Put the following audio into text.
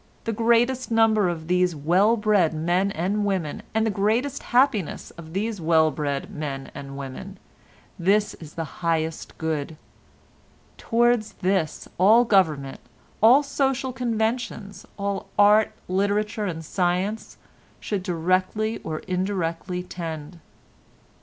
The greatest number of these well bred men and women, and the greatest happiness of these well bred men and women, this is the highest good; towards this all government, all social conventions, all art, literature and science should directly or indirectly tend.